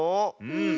うん。